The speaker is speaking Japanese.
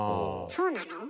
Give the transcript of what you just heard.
そうなの？